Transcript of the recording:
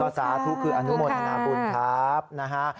ก็สาธุคืออนุโมทนาบุญครับ